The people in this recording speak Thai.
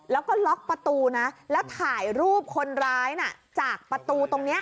แล้วก็ล็อกประตูนะแล้วถ่ายรูปคนร้ายน่ะจากประตูตรงนี้